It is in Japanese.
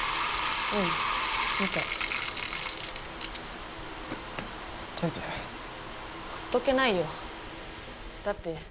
うん見たほっといてほっとけないよだって